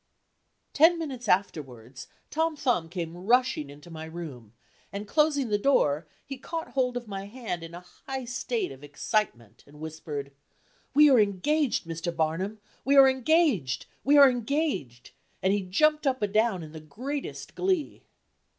Ten minutes afterwards Tom Thumb came rushing into my room, and closing the door, he caught hold of my hand in a high state of excitement and whispered: "We are engaged, Mr. Barnum! we are engaged! we are engaged!" and he jumped up and down in the greatest glee.